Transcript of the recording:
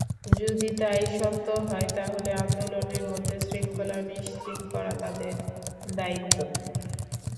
যদি তা-ই সত্য হয়, তাহলে আন্দোলনের মধ্যে শৃঙ্খলা নিশ্চিত করা তাদের দায়িত্ব।